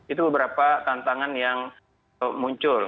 itu beberapa tantangan yang muncul